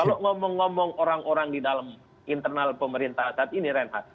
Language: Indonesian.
kalau ngomong ngomong orang orang di dalam internal pemerintah saat ini reinhardt